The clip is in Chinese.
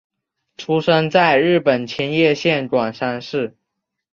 出生在日本千叶县馆山市。